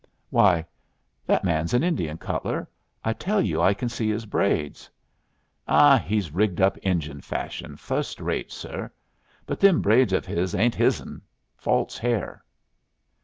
"Why, that man's an Indian, Cutler. I tell you I can see his braids." "Oh, he's rigged up Injun fashion, fust rate, sir. But them braids of his ain't his'n. False hair."